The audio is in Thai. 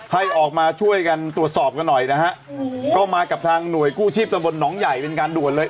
ให้ออกมาช่วยกันตรวจสอบกันหน่อยนะฮะก็มากับทางหน่วยกู้ชีพตะบลหนองใหญ่เป็นการด่วนเลย